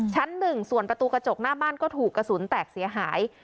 ชั้นหนึ่งส่วนประตูกระจกหน้าบ้านก็ถูกกระสุนแตกเสียหาย